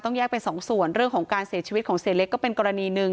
แยกเป็นสองส่วนเรื่องของการเสียชีวิตของเสียเล็กก็เป็นกรณีหนึ่ง